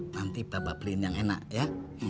nanti bapak print yang enak ya